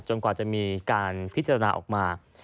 กว่าจะมีการพิจารณาออกมา